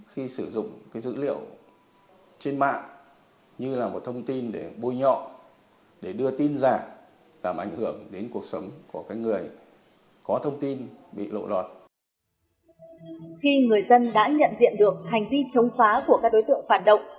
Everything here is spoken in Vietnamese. khi người dân đã nhận diện được hành vi chống phá của các đối tượng phản động